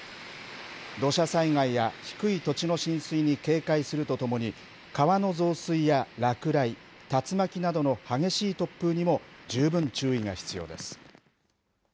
土砂災害や低い土地の浸水に警戒するとともに、川の増水や落雷、竜巻などの激しい突風にも十分注意が必要です。